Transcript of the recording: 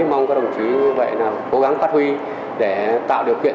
mong các đồng chí như vậy là cố gắng phát huy để tạo điều kiện